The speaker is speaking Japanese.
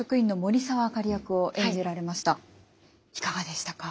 いかかでしたか。